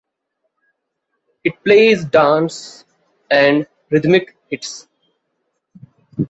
It plays Dance and Rhythmic Hits.